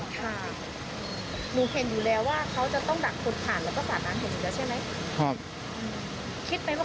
คุณเห็นอยู่แล้วว่าเขาจะต้องดักสุดผ่านแล้วก็สระน้ำเห็นอยู่แล้วใช่ไหม